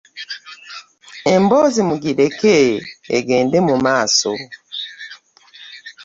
Emboozi mugireke egende mu maaso.